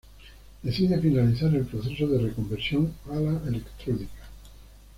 Decide finalizar el proceso de reconversión a la electrónica.